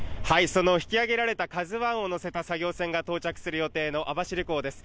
その引き揚げられた「ＫＡＺＵ１」を乗せた作業船が到着する予定の網走港です。